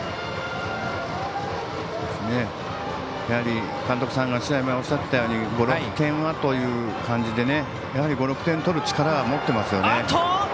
やはり監督さんが試合前におっしゃってたように５６点はという感じでやはり５６点取る力は持っていますよね。